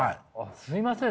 すみません